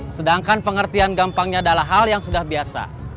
sedangkan pengertian gampangnya adalah hal yang sudah biasa